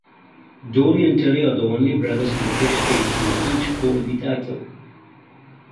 Dory and Terry are the only brothers in history to each hold the title.